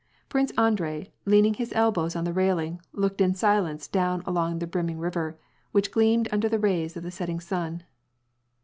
Prince Andrei, leaning his elbows on the railing, looked in si lence down along the brimming river, which gleamed under the rays of the setting sun.